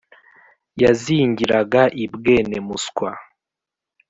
yazingiraga i bwene-muswa,